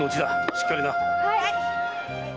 しっかりな。